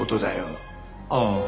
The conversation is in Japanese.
ああ。